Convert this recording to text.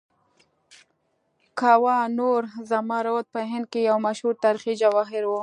کوه نور زمرد په هند کې یو مشهور تاریخي جواهر و.